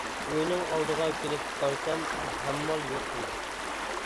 ئۆينىڭ ئالدىغا كېلىپ قارىسام ھاممال يوق تۇرىدۇ.